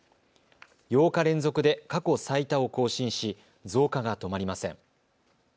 ８日連続で過去最多を更新し増加が止まりません。